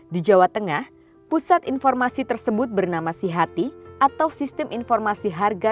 di jawa tengah pusat informasi tersebut bernama sihati atau sistem informasi harga